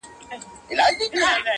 اسره مي خدای ته وه بیا تاته!!